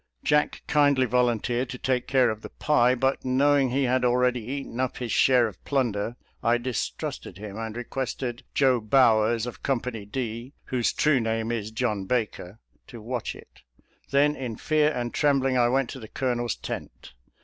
Jack kindly volunteered to take care of the pie, but knowing he had already eaten up his share of plunder, I distrusted him, and requested " Joe Bowers " of Company D, whose true name is John Baker, to watch it. Then in fear and trembling, I went to the Colonel's tent.